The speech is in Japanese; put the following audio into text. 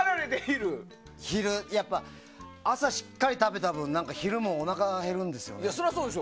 朝しっかり食べた分昼もおなかが減るんですよ。